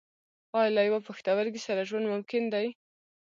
ایا له یوه پښتورګي سره ژوند ممکن دی